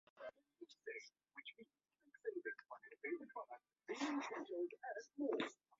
Biomechanical analysis also suggests it had adaptations to bipedalism.